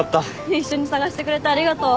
一緒に捜してくれてありがとう。